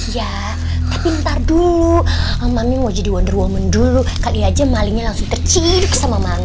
ya tapi ntar dulu mami mau jadi wonder woman dulu kali aja malingnya langsung terciduk sama maling